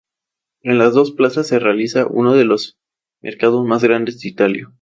En las dos plazas se realiza uno de los mercados más grandes de Italia.